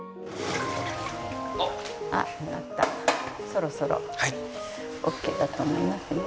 そろそろオーケーだと思いますね。